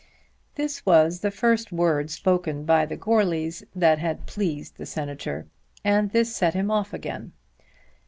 This was the first word spoken by the Goarlys that had pleased the Senator, and this set him off again.